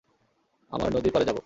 আমার নদীর পাড়ে যাব।